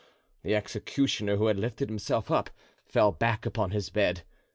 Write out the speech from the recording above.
The executioner, who had lifted himself up, fell back upon his bed.